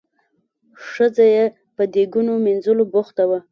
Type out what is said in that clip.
ښځه یې په دیګونو مینځلو بوخته وه.